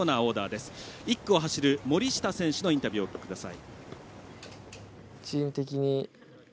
１区を走る、森下選手のインタビューをお聞きください。